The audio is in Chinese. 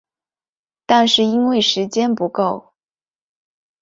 但是因为时间不够